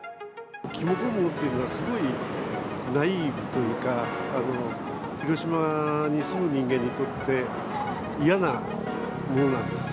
きのこ雲っていうのはすごいナイーブというか、広島に住む人間にとって、嫌なものなんです。